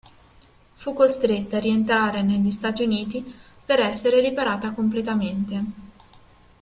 Fu costretta a rientrare negli Stati Uniti per essere riparata completamente.